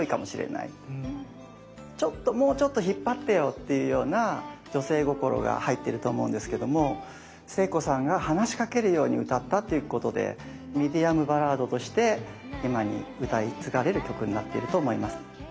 ちょっともうちょっと引っ張ってよっていうような女性心が入ってると思うんですけども聖子さんが話しかけるように歌ったっていうことでミディアムバラードとして今に歌い継がれる曲になってると思います。